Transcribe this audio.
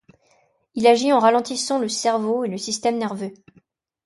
Il agit en ralentissant le cerveau et le système nerveux.